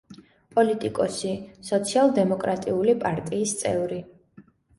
პოლიტიკოსი, სოციალ-დემოკრატიული პარტიის წევრი.